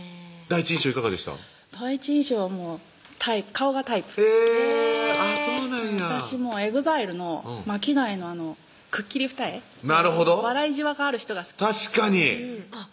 第一印象はもう顔がタイプへぇそうなんや私ＥＸＩＬＥのＭＡＫＩＤＡＩのあのくっきり二重笑いじわがある人が好き確かにあっ